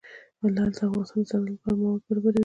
لعل د افغانستان د صنعت لپاره مواد برابروي.